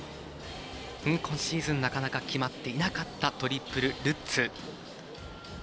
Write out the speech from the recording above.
今シーズンなかなか決まっていなかったトリプルルッツ。